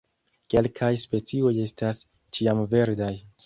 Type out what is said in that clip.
Kelkaj specioj estas ĉiamverdaj.